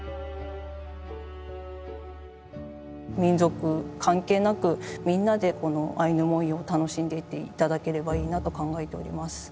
民族関係なくみんなでこのアイヌ文様を楽しんでいって頂ければいいなと考えております。